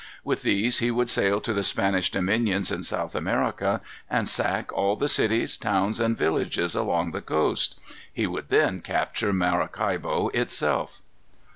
With these he would sail to the Spanish dominions in South America, and sack all the cities, towns, and villages along the coast. He would then capture Maracaibo itself.